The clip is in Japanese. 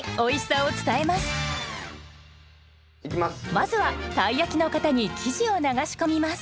まずはたい焼きの型に生地を流し込みます